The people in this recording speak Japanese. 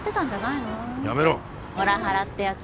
モラハラってやつ？